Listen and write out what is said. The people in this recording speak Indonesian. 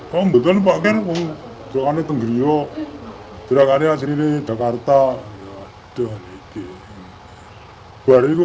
hai ombetan pak kenu jalanan ke ngeri yo terangannya sini di jakarta aduh ini baru